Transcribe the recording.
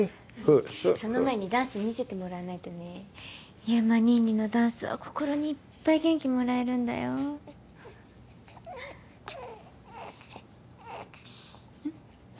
その前にダンス見せてもらわないとね祐馬にいにのダンスは心にいっぱい元気もらえるんだようん？